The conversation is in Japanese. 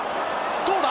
どうだ？